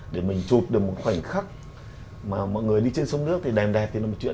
để mình chụp được một khoảnh khắc mà mọi người đi trên sông nước thì đẹp đẹp thì là một chuyện